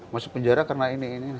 masuk penjara karena ini ini